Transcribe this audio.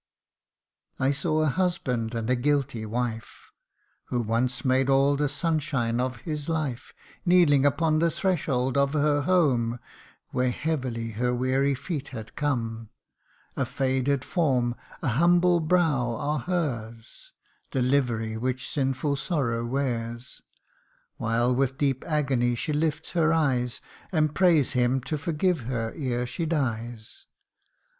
" I saw a husband, and a guilty wife, Who once made all the sunshine of his life, Kneeling upon the threshold of her home, Where heavily her weary feet had come : A faded form, a humble brow, are hers The livery which sinful sorrow wears ; CANTO III. 79 While with deep agony she lifts her eyes, And prays him to forgive her, ere she dies